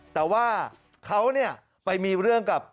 แต่ว่าเขาเนี่ยไปมีเรื่องกับ